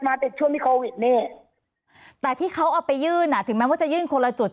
ติดช่วงที่โควิดแน่แต่ที่เขาเอาไปยื่นอ่ะถึงแม้ว่าจะยื่นคนละจุด